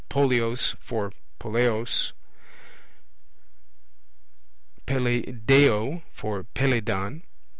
polleos for poleos, Peleiadeo for Peleidon.